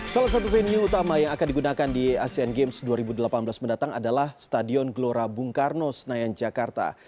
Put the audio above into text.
salah satu venue utama yang akan digunakan di asean games dua ribu delapan belas mendatang adalah stadion gelora bung karno senayan jakarta